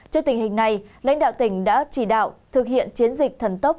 trước tình hình này lãnh đạo tỉnh đã chỉ đạo thực hiện chiến dịch thần tốc